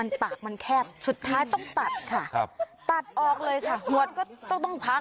น่าของสร้างน่าเห็นใจ